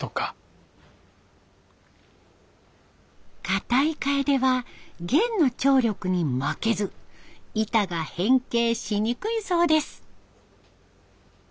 かたいカエデは弦の張力に負けず板が変形しにくいそうです。